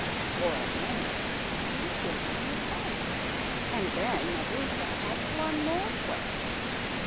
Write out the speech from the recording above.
For a moment the two children were quiet, and then Maroosia asked one more question.